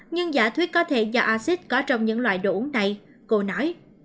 nhưng giả thuyết có thể do acid có trong những loại đồ uống này cô nói